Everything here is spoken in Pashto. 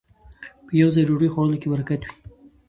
په يوه ځای ډوډۍ خوړلو کې برکت وي